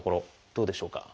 どうでしょうか？